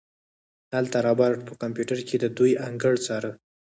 هلته رابرټ په کمپيوټر کې د دوئ انګړ څاره.